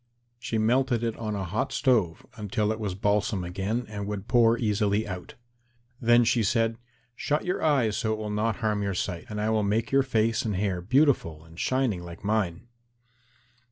She melted it on a hot stove until it was balsam again and would pour easily out. Then she said, "Shut your eyes so that it will not harm your sight, and I will make your face and hair beautiful and shining like mine."